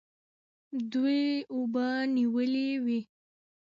دوی اوبه نیولې وې.